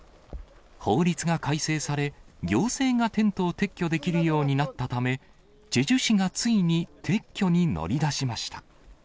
法律が改正され、行政がテントを撤去できるようになったため、チェジュ市がついに撤去に乗りだしました。